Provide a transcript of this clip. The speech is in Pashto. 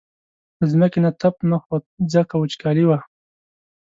له ځمکې نه تپ نه خوت ځکه وچکالي وه.